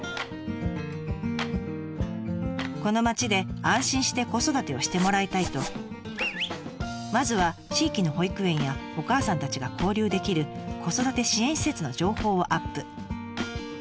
この町で安心して子育てをしてもらいたいとまずは地域の保育園やお母さんたちが交流できる子育て支援施設の情報をアップ。